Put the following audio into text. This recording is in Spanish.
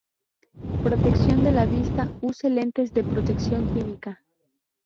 Protección de la vista: Use lentes de protección química.